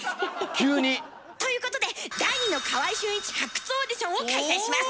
急に？ということで第二の「川合俊一」発掘オーディションを開催します。